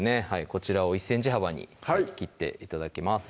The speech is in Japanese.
こちらを１ｃｍ幅に切って頂きます